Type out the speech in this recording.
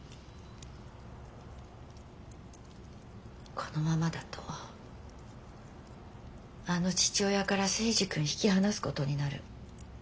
このままだとあの父親から征二君引き離すことになる。